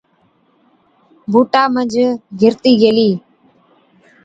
بُوٽا منجھ گھِرتِي گيلي۔